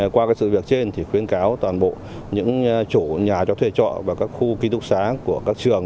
qua sự việc trên thì khuyến cáo toàn bộ những chủ nhà cho thuê trọ và các khu ký túc xá của các trường